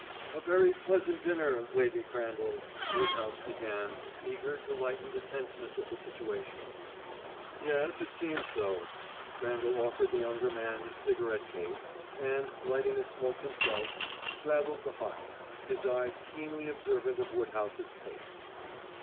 "A very pleasant dinner Lady Crandall's," Woodhouse began, eager to lighten the tenseness of the situation. "Yes, it seemed so." Crandall offered the younger man his cigarette case, and, lighting a smoke himself, straddled the hearth, his eyes keenly observant of Woodhouse's face.